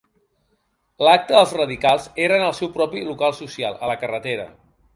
L'acte dels radicals era en el seu propi local social a la carretera.